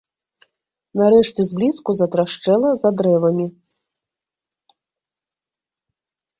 Нарэшце зблізку затрашчэла за дрэвамі.